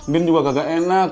din juga kagak enak